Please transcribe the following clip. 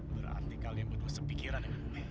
berarti kalian butuh sepikiran ya